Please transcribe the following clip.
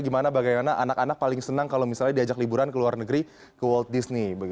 gimana bagaimana anak anak paling senang kalau misalnya diajak liburan ke luar negeri ke world disney